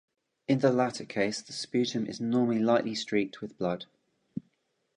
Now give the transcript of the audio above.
In the latter case, the sputum is normally lightly streaked with blood.